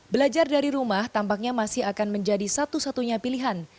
belajar dari rumah tampaknya masih akan menjadi satu satunya pilihan